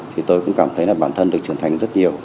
thì tôi cũng cảm thấy là bản thân được trưởng thành rất nhiều